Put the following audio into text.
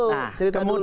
nah kemudian nih